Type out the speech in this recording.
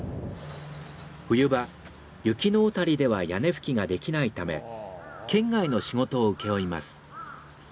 冬場雪の小谷では屋根葺きができないため県外の仕事を請け負います。